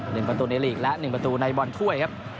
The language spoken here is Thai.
๑ประตูในลีกและ๑ประตูในบอลถ้วยครับ